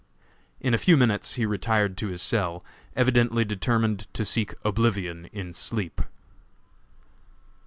In a few minutes he retired to his cell, evidently determined to seek oblivion in sleep.